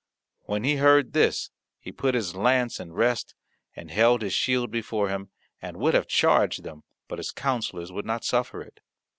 When he heard this he put his lance in rest, and held his shield before him, and would have charged them, but his counsellors would not suffer it.